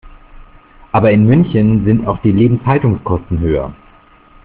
Aber in München sind auch die Lebenshaltungskosten höher.